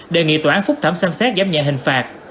đề nghị tòa án phúc thảm xem xét giám nhận hình phạt